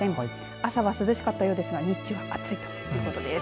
朝は涼しかったようですが日中は暑いということです。